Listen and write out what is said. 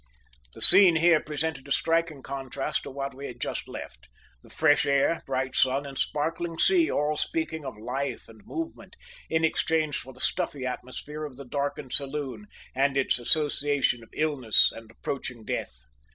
The scene here presented a striking contrast to that we had just left, the fresh air, bright sun, and sparkling sea all speaking of life and movement, in exchange for the stuffy atmosphere of the darkened saloon and its association of illness and approaching death.